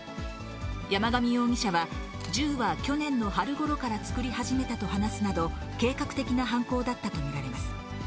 山上容疑者は、銃は去年の春ごろから作り始めたと話すなど、計画的な犯行だったと見られます。